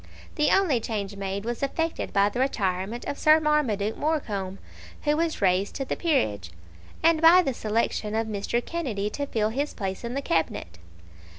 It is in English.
The only change made was effected by the retirement of Sir Marmaduke Morecombe, who was raised to the peerage, and by the selection of Mr. Kennedy to fill his place in the Cabinet.